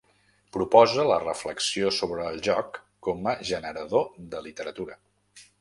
Proposa la reflexió sobre el joc com a generador de literatura.